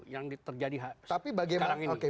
yang terjadi sekarang ini